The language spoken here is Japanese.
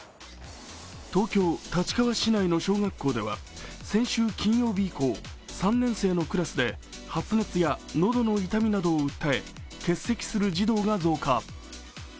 東京・立川市内の小学校では先週金曜日以降、３年生のクラスで発熱やのどの痛みなどを訴え欠席する児童が増加。